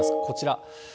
こちら。